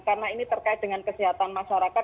karena ini terkait dengan kesehatan masyarakat